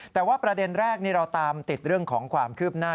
แต่ว่าประเด็นแรกนี่เราตามติดเรื่องของความคืบหน้า